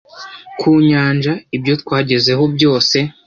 Ku nyanja ibyo twagezeho byose